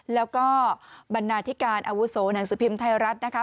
แล้วก็บรรณาธิการอาวุโสหนังสือพิมพ์ไทยรัฐนะคะ